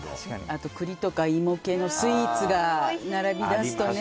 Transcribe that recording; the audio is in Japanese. あと栗とか芋系のスイーツが並びだすとね。